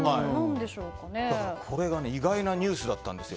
意外なニュースだったんですよ。